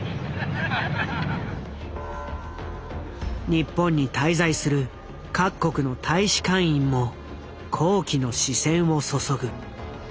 日本に滞在する各国の大使館員も好奇の視線を注ぐ。